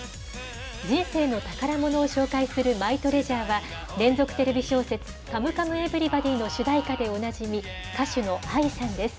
人生の宝ものを紹介するマイトレジャーは、連続テレビ小説カムカムエヴリバディの主題歌でおなじみ、歌手のＡＩさんです。